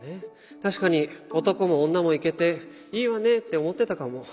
確かに男も女もいけていいわねって思ってたかも。